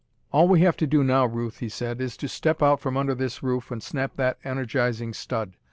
"All we have to do now, Ruth," he said, "is step out from under this roof and snap that energizing stud.